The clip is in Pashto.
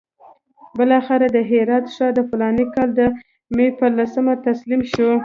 بالاخره د هرات ښار د فلاني کال د مې پر لسمه تسلیم شو.